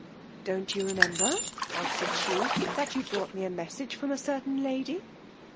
don't you remember, answered she, that you brought me a message from a certain lady?